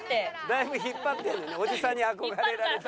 だいぶ引っ張ってるねオジさんに憧れられてない。